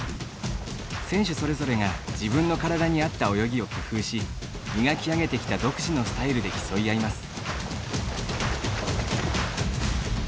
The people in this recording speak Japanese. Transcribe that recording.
選手それぞれが自分の体に合った泳ぎを工夫し磨き上げてきた独自のスタイルで競い合います。